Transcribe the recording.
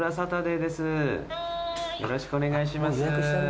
よろしくお願いします。